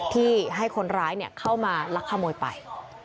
ที่ให้คนร้ายเข้ามาลักขโมยไป